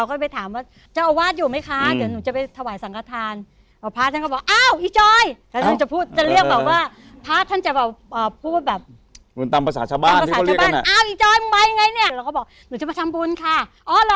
ก็คือพระเป็นชาวบ้าน